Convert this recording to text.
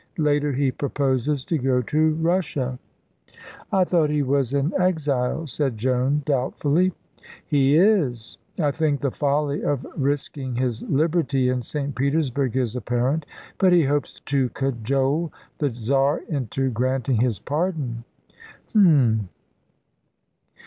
Later he proposes to go to Russia." "I thought he was an exile," said Joan, doubtfully. "He is. I think the folly of risking his liberty in St. Petersburg is apparent. But he hopes to cajole the Czar into granting his pardon. M'm!"